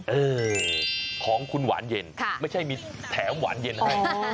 เออของคุณหวานเย็นไม่ใช่มีแถมหวานเย็นให้